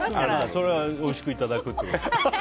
それはおいしくいただくけど。